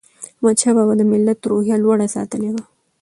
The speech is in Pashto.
احمدشاه بابا د ملت روحیه لوړه ساتلې وه.